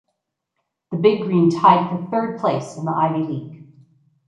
The Big Green tied for third place in the Ivy League.